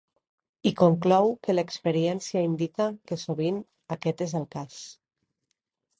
I conclou que l’experiència indica que sovint aquest és el cas.